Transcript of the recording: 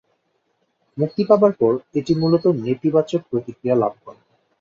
মুক্তি পাবার পর এটি মূলত নেতিবাচক প্রতিক্রিয়া লাভ করে।